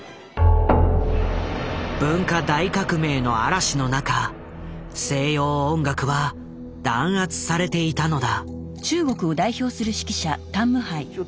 文化大革命の嵐の中西洋音楽は弾圧されていたのだ。